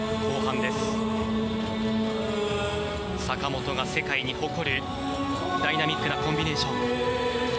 坂本が世界に誇るダイナミックなコンビネーション。